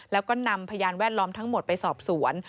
แล้วก็นำพยานแวดล้อมทั้งหมดไปสอบสวน